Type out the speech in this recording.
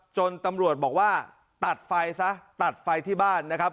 ตำรวจบอกว่าตัดไฟซะตัดไฟที่บ้านนะครับ